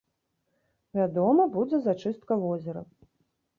Вядома, будзе зачыстка возера.